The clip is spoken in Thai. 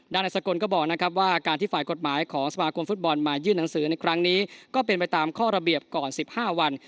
นายสกลก็บอกนะครับว่าการที่ฝ่ายกฎหมายของสมาคมฟุตบอลมายื่นหนังสือในครั้งนี้ก็เป็นไปตามข้อระเบียบก่อน๑๕วัน